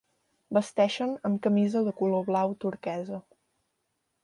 Vesteixen amb camisa de color blau turquesa.